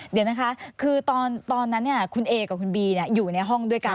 เดี๋ยวนะคะคือตอนนั้นคุณเอกับคุณบีอยู่ในห้องด้วยกัน